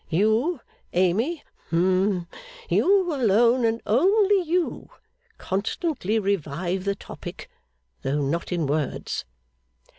You, Amy hum you alone and only you constantly revive the topic, though not in words.